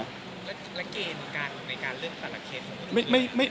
แล้วเกณฑ์ในการเลือกตลาดเกณฑ์คืออะไร